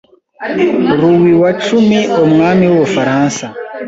Louis wa cumi umwami w’u Bufaransa